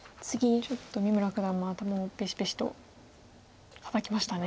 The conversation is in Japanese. ちょっと三村九段も頭をペシペシとたたきましたね。